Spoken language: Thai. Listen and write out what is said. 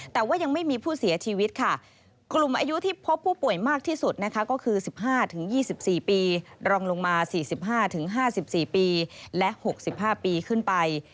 แต่ว่ายังไม่มีผู้เสียชีวิตค่ะกลุ่มอายุที่พบผู้ป่วยมากที่สุดนะคะก็คือ๑๕๒๔ปีรองลงมา๔๕๕๔ปีและ๖๕ปีขึ้นไป